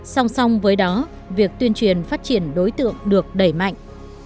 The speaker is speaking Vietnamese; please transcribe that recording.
song song với đó việc tuyên truyền phát triển đối tượng được đẩy mạnh